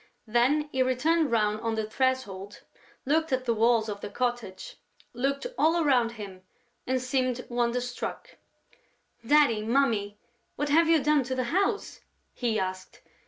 Then he turned round on the threshold, looked at the walls of the cottage, looked all around him and seemed wonderstruck: "Daddy, Mummy, what have you done to the house?" he asked.